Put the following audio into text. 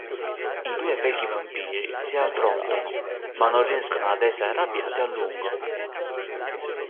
I due vecchi vampiri si affrontano ma non riescono ad essere arrabbiati a lungo.